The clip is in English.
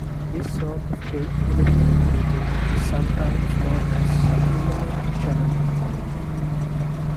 This sort of deliberate leakage is sometimes known as a subliminal channel.